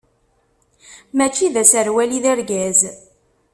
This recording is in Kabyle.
Mačči d aserwal i d argaz.